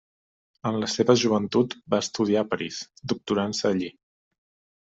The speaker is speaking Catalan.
En la seva joventut va estudiar a París, doctorant-se allí.